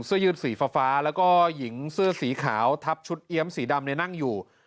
ยืดสีฟ้าแล้วก็หญิงเสื้อสีขาวทับชุดเอี๊ยมสีดำเนี่ยนั่งอยู่